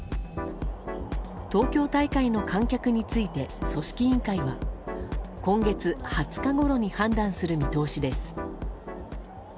東京大会の観客について組織委員会は今月２０日ごろに判断する見通しです。